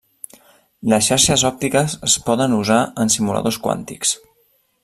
Les xarxes òptiques es poden usar en simuladors quàntics.